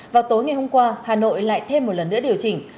vào tối ngày hôm qua hà nội lại thêm một lần nữa điều chỉnh